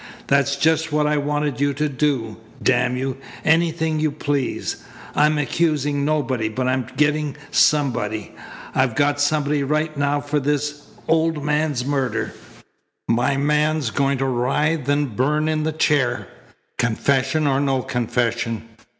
"That's just what I want you to do, damn you anything you please. I'm accusing nobody, but I'm getting somebody. I've got somebody right now for this old man's murder. My man's going to writhe and burn in the chair, confession or no confession.